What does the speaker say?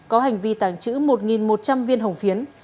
có hành vi tàng trữ một một trăm linh viên hồng phiến